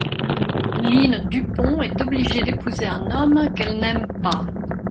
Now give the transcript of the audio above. Line Dupont est obligée d'épouser un homme qu'elle n'aime pas.